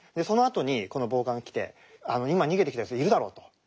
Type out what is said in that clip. そのあとにこの暴漢が来て「今逃げてきたやついるだろ。